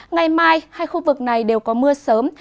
ngày mai hai khu vực này đều có mưa sớm